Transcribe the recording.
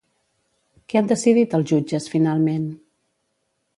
Què han decidit els jutges finalment?